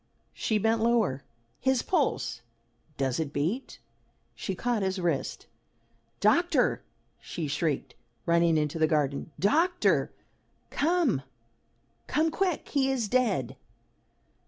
She bent lower. "His pulse! does it beat?" she caught his wrist. "Doctor!" she shrieked, running into the garden. "Doctor! Come come quick! He is dead!"